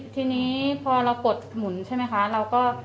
ทีนี้พอเรากดหมุนใช่ไหมคะเราก็